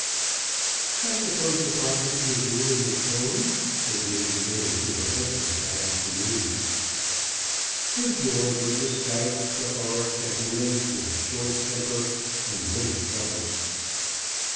"I suppose the property is really his own?" said Lady Eardham to her husband that afternoon. Sir George was a stout, plethoric gentleman, with a short temper and many troubles.